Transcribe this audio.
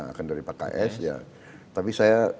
akan dari pks ya tapi saya